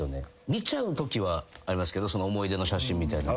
見ちゃうときはありますけど思い出の写真みたいな。